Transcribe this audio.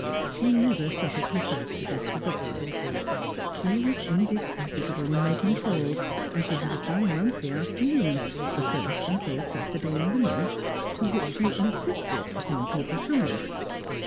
She never suffered herself to be forgotten. She was indefatigable in making calls, and she had a bi monthly afternoon, the first and third Saturday in the month, to which she insisted upon people coming.